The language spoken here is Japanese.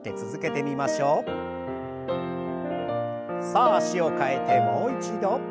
さあ脚を替えてもう一度。